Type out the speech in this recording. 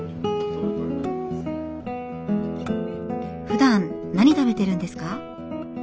ふだん何食べてるんですか？